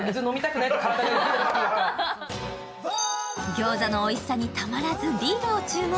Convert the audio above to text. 餃子のおいしさに、たまらずビールを注文。